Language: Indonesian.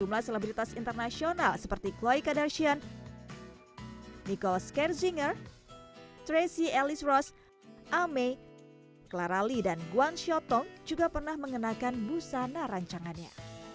jumlah selebritas internasional seperti chloe kardashian nicole scherzinger tracy ellis ross ame clara lee dan guan xiotong juga pernah mengenakan busana rancangannya